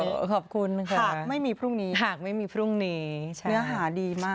เออขอบคุณค่ะเนื้อหาดีมากจริง